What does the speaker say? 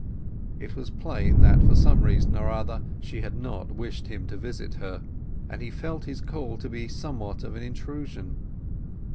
It was plain that for some reason or other she had not wished him to visit her, and he felt his call to be somewhat of an intrusion.